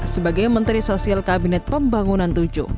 sebagai menteri sosial kabinet pembangunan vii